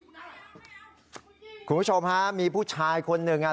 ไม่เอาไม่เอาคุณผู้ชมฮะมีผู้ชายคนหนึ่งอ่ะ